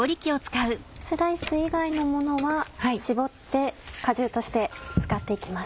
スライス以外のものは搾って果汁として使って行きます。